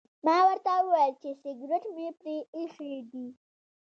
ما ورته وویل چې سګرټ مې پرې ایښي دي.